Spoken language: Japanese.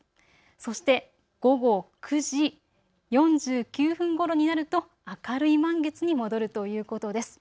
そして午後９時４９分ごろになると明るい満月に戻るということです。